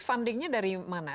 fundingnya dari mana